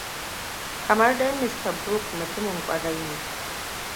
Kamar dai Mr. Brook mutumin kwarai ne.